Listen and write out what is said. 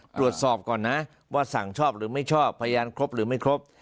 ตรวจสอบก่อนนะว่าสั่งชอบหรือไม่ชอบพยานครบหรือไม่ครบ